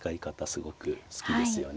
すごく好きですよね。